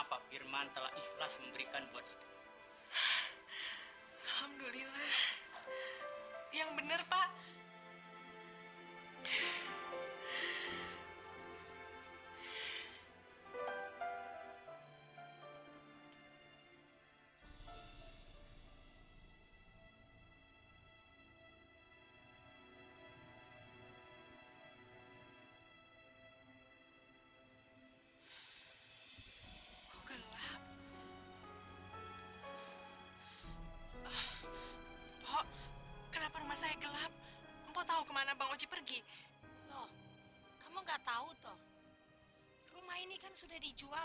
sampai jumpa di video selanjutnya